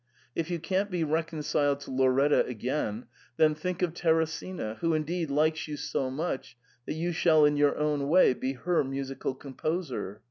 If you can't be reconciled to Lauretta again, then think of Teresina, who indeed likes you so much that you shall in your own way be her musical composer.